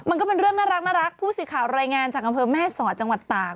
มันก็เป็นเรื่องน่ารักผู้สื่อข่าวรายงานจากอำเภอแม่สอดจังหวัดตาก